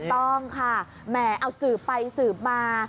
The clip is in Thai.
ต้องค่ะแหมเอาสืบไปสืบมา